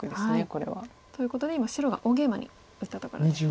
これは。ということで今白が大ゲイマに打ったところです。